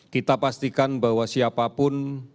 kita pastikan bahwa siapapun